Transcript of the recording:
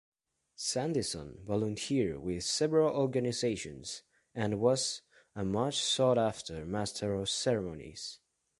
Sandison volunteered with several organizations, and was a much-sought-after master of ceremonies.